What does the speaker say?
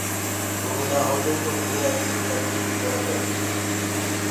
گُرو نآ هوندو تو دنيآ اِتري ترڪي بي ڪونآ ڪردي۔